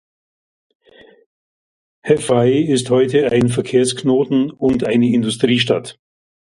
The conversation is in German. Hefei ist heute ein Verkehrsknoten und eine Industriestadt.